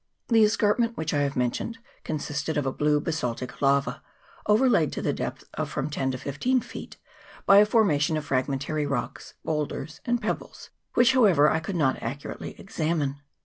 The escarpment which I have mentioned con 154 PLATFORM AND CONE [PART I. sisted of a blue basaltic lava, overlaid to the depth of from ten to fifteen feet by a formation of frag mentary rocks, boulders, and pebbles, which, how ever, I could not accurately examine.